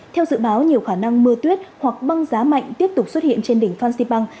theo dự báo nhiều khả năng mưa tuyết hoặc băng giá mạnh tiếp tục xuất hiện trên đỉnh phan xipang